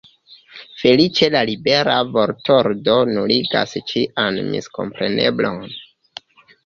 Feliĉe la libera vortordo nuligas ĉian miskompreneblon.